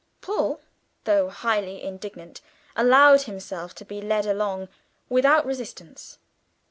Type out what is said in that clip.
Paul, though highly indignant, allowed himself to be led along without resistance.